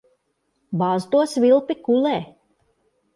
Bāz to svilpi kulē.